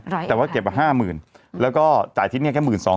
ร้อยเอ็ดค่ะแต่ว่าเก็บว่าห้าหมื่นแล้วก็จ่ายที่นี่แค่หมื่นสอง